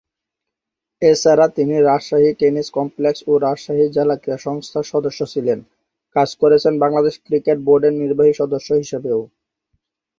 এছাড়া তিনি Rajshahi tennis complex ও রাজশাহী জেলা ক্রীড়া সংস্থার সদস্য ছিলেন; কাজ করেছেন বাংলাদেশ ক্রিকেট বোর্ডের নির্বাহী সদস্য হিসেবেও।